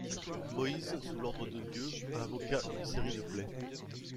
Moïse, sous l’ordre de Dieu, invoqua une série de plaies.